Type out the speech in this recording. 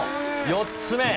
４つ目。